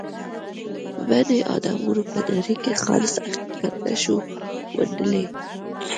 په بني ادمانو به نړۍ کې خالص حقیقت نه شو موندلای.